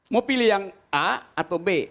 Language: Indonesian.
mau pilih yang a atau b